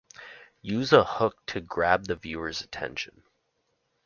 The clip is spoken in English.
Use a hook to grab the viewers attention